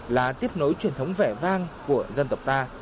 là tiếp nối truyền thống vẻ vang của dân tộc ta